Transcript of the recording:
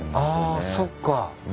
あそっか。